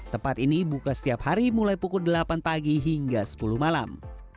tempat ini buka setiap hari mulai pukul delapan pagi hingga sepuluh malam